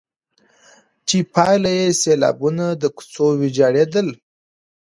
چي پايله يې سيلابونه، د کوڅو ويجاړېدل،